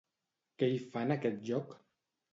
Què hi fa en aquest lloc?